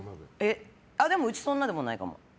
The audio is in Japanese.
でもうちそんなんでもないかも。